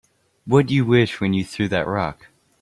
What'd you wish when you threw that rock?